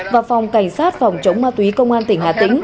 và phòng cảnh sát phòng chống ma túy công an tỉnh hà tĩnh